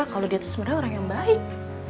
kalau dia itu sebenarnya orang yang baik